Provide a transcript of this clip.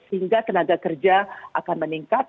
sehingga tenaga kerja akan meningkat